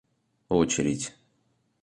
очередь